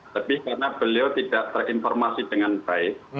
lebih karena beliau tidak terinformasi dengan baik